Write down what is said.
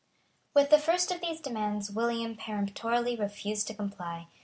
With the first of these demands William peremptorily refused to comply.